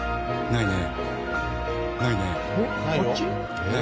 ないね。